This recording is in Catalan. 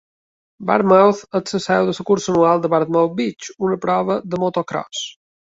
Barmouth és la seu de la cursa anual de Barmouth Beach, una prova de motocròs.